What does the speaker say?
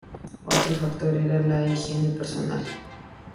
Otro factor era la higiene personal.